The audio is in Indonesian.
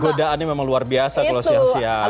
godaannya memang luar biasa kalau siang siang